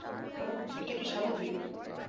এটা কি স্বাভাবিক?